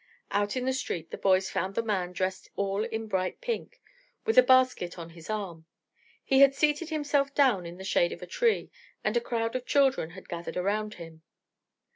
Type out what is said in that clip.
Out in the street the boys found the man dressed all in bright pink, with a basket on his arm. He had seated himself down in the shade of a tree, and a crowd of children had gathered around him.